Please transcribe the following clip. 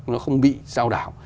nó không bị sao đảo